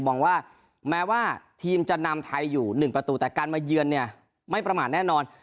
มองว่าแม้ว่าทีมจะนำไทยอยู่๑ประตูแต่การมาเยือนเนี่ยไม่ประมาทแน่นอน